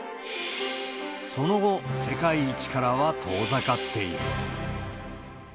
その後、世界一からは遠ざかっている。